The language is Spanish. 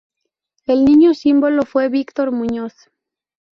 El niño símbolo fue Víctor Muñoz.